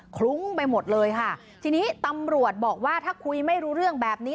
คลุ้งไปหมดเลยค่ะทีนี้ตำรวจบอกว่าถ้าคุยไม่รู้เรื่องแบบนี้